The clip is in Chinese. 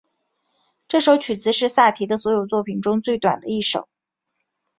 这首曲子是萨提的所有作品中最短的一首。